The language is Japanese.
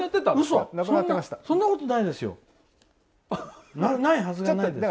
そんなことないですよ！